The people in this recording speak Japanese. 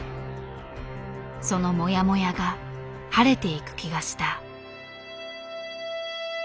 そのもやもやが晴れていく気がした。